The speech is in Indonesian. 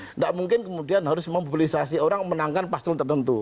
tidak mungkin kemudian harus memobilisasi orang menangkan paslon tertentu